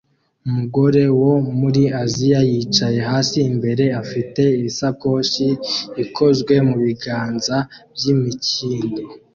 Umugore wo muri Aziya yicaye hasi imbere afite isakoshi ikozwe mu biganza by'imikindo